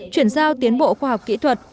chuyển giao tiến bộ khoa học kỹ thuật